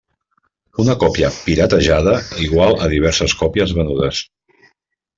Una còpia “piratejada” igual a diverses còpies venudes.